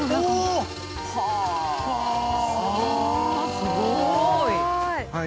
すごい！